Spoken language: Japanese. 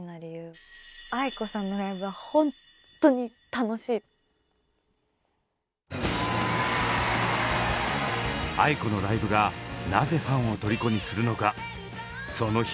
ａｉｋｏのライブがなぜファンをとりこにするのかその秘密は？